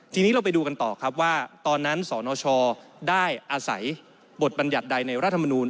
ทีนี้เราไปดูกันต่อครับว่าตอนนั้นสนชได้อาศัยบทบรรยัติใดในรัฐมนูล